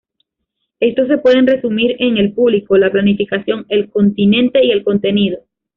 Estos se pueden resumir en: el público, la planificación, el continente y el contenido.